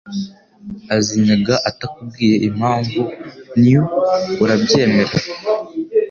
Azinyaga atakubwiye Impamvu new urabyemera